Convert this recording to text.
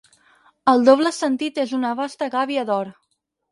El doble sentit és una vasta gàbia d'or.